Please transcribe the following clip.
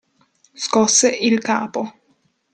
Scosse il capo.